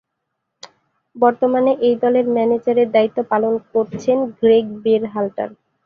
বর্তমানে এই দলের ম্যানেজারের দায়িত্ব পালন করছেন গ্রেগ বেরহাল্টার।